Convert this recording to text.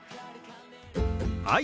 はい。